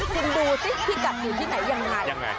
คุณดูสิพี่กัดอยู่ที่ไหนยังไง